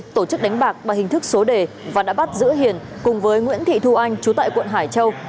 tổ chức đánh bạc bằng hình thức số đề và đã bắt giữ hiền cùng với nguyễn thị thu anh chú tại quận hải châu